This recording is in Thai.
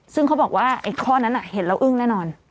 ซึ่งเขาบอกว่าไอ้ข้อนั้นเห็นแล้วอึ้งแน่นอน